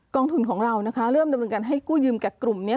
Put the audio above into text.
ทุนของเรานะคะเริ่มดำเนินการให้กู้ยืมกับกลุ่มนี้